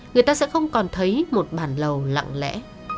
người ta sẽ không còn thấy một bản lầu lặng lẽ